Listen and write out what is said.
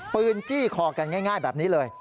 จี้คอกันง่ายแบบนี้เลย